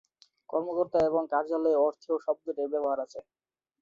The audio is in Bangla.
কর্মকর্তা এবং কার্য্যালয় অর্থেও শব্দটির ব্যবহার আছে।